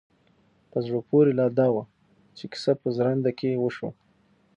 په زړه پورې لا دا وه چې کيسه په ژرنده کې وشوه.